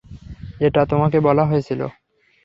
এটা তোমাকে বলা হয়েছিলো।